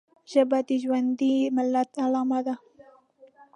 ژبه د ژوندي ملت علامه ده